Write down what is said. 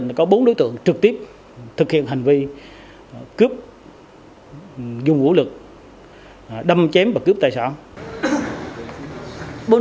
có bốn đối tượng trực tiếp thực hiện hành vi cướp dùng vũ lực đâm chém và cướp tài sản